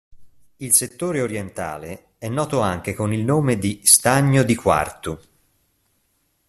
Il settore orientale è noto anche con il nome di "Stagno di Quartu".